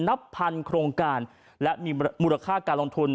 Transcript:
นับพันโครงการและมีมูลค่าการลงทุน